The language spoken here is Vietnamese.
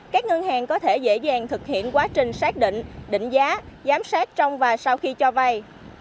các ngân hàng có thể dễ dàng thực hiện quá trình xác định định giá giám sát trong và sau khi cho vay